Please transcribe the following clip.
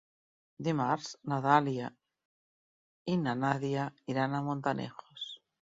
Dimarts na Dàlia i na Nàdia iran a Montanejos.